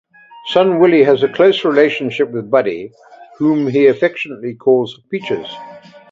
Son Willie has a close relationship with Buddy, whom he affectionately calls "Peaches".